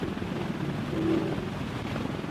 هر بېکاره انسان د ملت له تولیدي ځواک څخه یو کمښت دی.